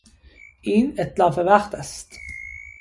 این اتلاف وقت است.